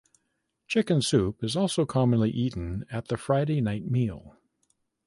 Chicken soup is also commonly eaten at the Friday night meal.